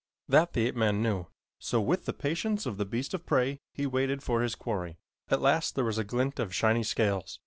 That the ape man knew, so with the patience of the beast of prey he waited for his quarry. At last there was a glint of shiny scales.